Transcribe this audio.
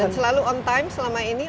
dan selalu on time selama ini